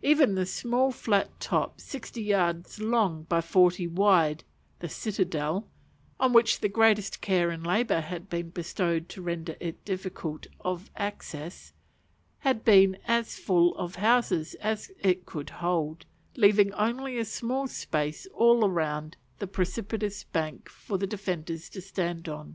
Even the small flat top, sixty yards long by forty wide, the citadel, on which the greatest care and labour had been bestowed to render it difficult of access, had been as full of houses as it could hold; leaving only a small space all round the precipitous bank for the defenders to stand on.